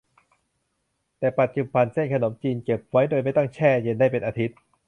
แต่ปัจจุบัน เส้นขนมจีนเก็บไว้โดยไม่ต้องแช่เย็นได้เป็นอาทิตย์